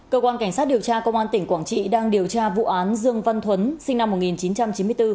cơ quan cảnh sát điều tra công an tỉnh quảng trị đang điều tra vụ án dương văn thuấn sinh năm một nghìn chín trăm chín mươi bốn